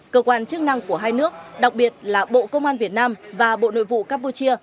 cơ quan chức năng của hai nước đặc biệt là bộ công an việt nam và bộ nội vụ campuchia